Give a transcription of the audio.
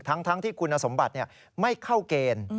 ทั้งที่คุณสมบัติไม่เข้าเกณฑ์